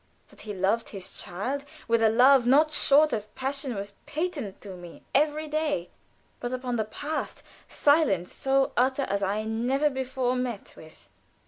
That he loved his child with a love not short of passion was patent to me every day. But upon the past, silence so utter as I never before met with.